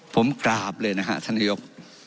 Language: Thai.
ผมกราบเลยนะครับท่านนโยค